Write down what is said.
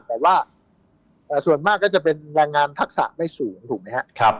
แต่ว่าส่วนมากก็จะเป็นแรงงานทักษะไม่สูงถูกไหมครับ